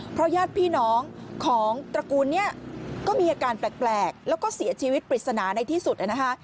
เพราะญาติพี่น้องของตระกูลเนี่ยก็มีอาการแปลกแล้วก็เสียชีวิตปริศนาในที่สุดนะคะ